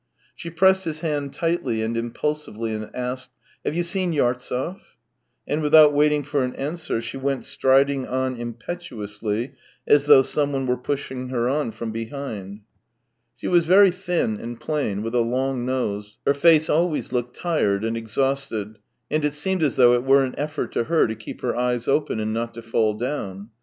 She pressed his hand tightly and impulsively and asked :" Have you seen Yartsev ?" And without waiting for an answer she went striding on impetuously as though someone were pushing her on from behind. She was very thin and plain, with a long nose; her face always looked tired, and exhausted, and THREE YEARS 231 it seemed as though it were an effort to her to keep her eyes open, and not to fall down.